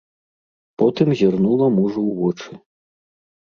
Потым зірнула мужу ў вочы.